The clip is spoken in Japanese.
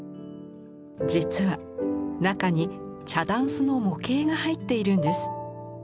実は中に茶だんすの模型が入っているんです。